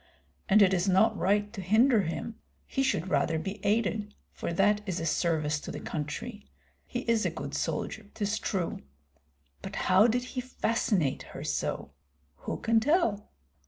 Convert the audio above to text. And it is not right to hinder him; he should rather be aided, for that is a service to the country. He is a good soldier, 'tis true. But how did he fascinate her so? Who can tell?